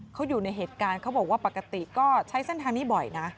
เขาอยู่ในเหตุการณ์เขาบอกว่าปกติก็ใช้เส้นทางนี้บ่อยนะ